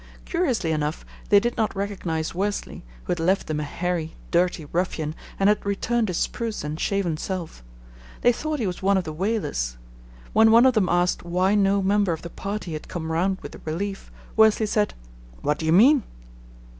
Curiously enough, they did not recognize Worsley, who had left them a hairy, dirty ruffian and had returned his spruce and shaven self. They thought he was one of the whalers. When one of them asked why no member of the party had come round with the relief, Worsley said, "What do you mean?"